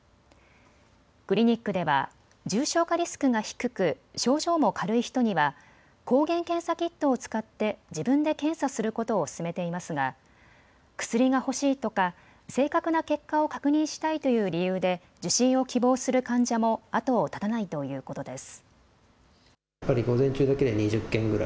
クリニックでは重症化リスクが低く、症状も軽い人には抗原検査キットを使って自分で検査することを勧めていますが薬が欲しいとか正確な結果を確認したいという理由で受診を希望する患者も後を絶たないということです。